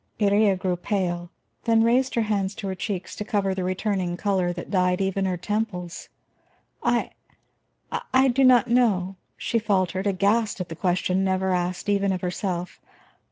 Iría grew pale, then raised her hands to her cheeks to cover the returning color that dyed even her temples. "I I do not know," she faltered, aghast at a question never asked even of herself.